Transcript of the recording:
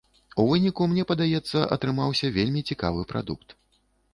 У выніку, мне падаецца, атрымаўся вельмі цікавы прадукт.